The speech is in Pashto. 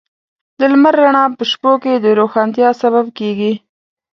د لمر رڼا په شپو کې د روښانتیا سبب کېږي.